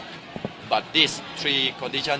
คุณคิดเรื่องนี้ได้ไหม